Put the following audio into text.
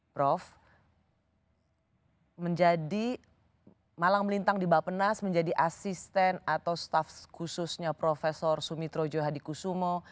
prof menjadi malang melintang di bapenas menjadi asisten atau staff khususnya prof sumitro johadikusumo